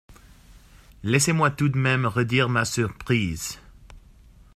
Laissez-moi tout de même redire ma surprise.